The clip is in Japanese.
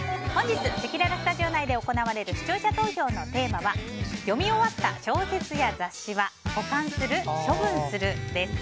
せきららスタジオ内で行われる視聴者投票のテーマは読み終わった小説や雑誌は保管する・処分する？です。